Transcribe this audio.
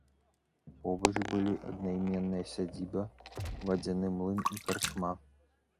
Побач былі аднайменная сядзіба, вадзяны млын і карчма.